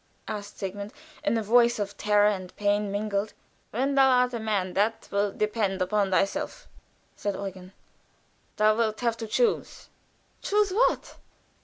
asked Sigmund, in a voice of terror and pain mingled. "When thou art a man that will depend upon thyself," said Eugen. "Thou wilt have to choose." "Choose what?"